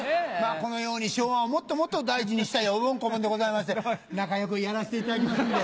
このように昭和をもっともっと大事にしたいおぼん・こぼんでございまして仲良くやらせていただきますんで。